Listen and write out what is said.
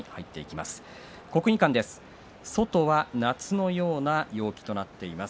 国技館、外は夏のような陽気となっています。